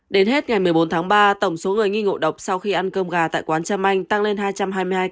đến hết ngày một mươi bốn tháng ba tổng số người nghi ngộ độc sau khi ăn cơm gà tại quán trâm anh tăng lên hai trăm hai mươi hai ca